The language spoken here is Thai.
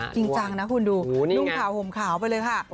จริงจังนะคุณดูนุ่งขาวห่มขาวไปเลยค่ะ